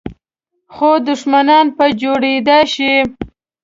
خو دښمنان په جوړېدای شي .